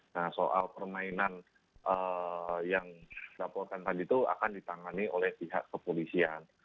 nah soal permainan yang dilaporkan tadi itu akan ditangani oleh pihak kepolisian